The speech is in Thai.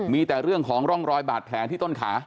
มีแต่เรื่องของร่องรอยบาดแผลที่ต้นขา